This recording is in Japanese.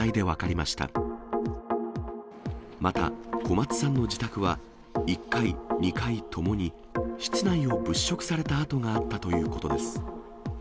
また、小松さんの自宅は１階、２階ともに、室内を物色された跡があったということです。